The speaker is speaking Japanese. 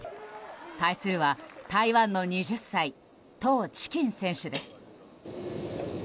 対するは台湾の２０歳トウ・チキン選手です。